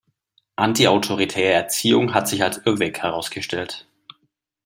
Antiautoritäre Erziehung hat sich als Irrweg herausgestellt.